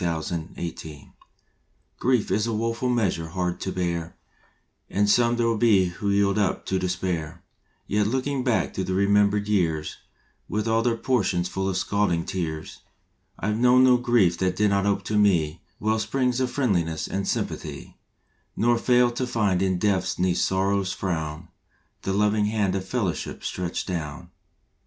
March Nineteenth COMFORT is a woeful measure hard to bear, And some there be who yield up to despair, Yet, looking back through the remembered years With all their portions full of scalding tears, I ve known no grief that did not ope to me Well springs of Friendliness and Sympathy; Nor failed to find in depths neath sorrow s frown The loving hand of Fellowship stretched down.